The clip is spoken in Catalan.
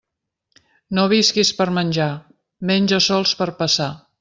No visquis per menjar, menja sols per passar.